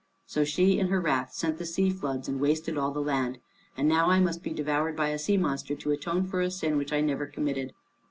So she in her wrath sent the sea floods and wasted all the land. And now I must be devoured by a sea monster to atone for a sin which I never committed."